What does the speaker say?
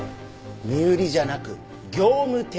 身売りじゃなく業務提携です。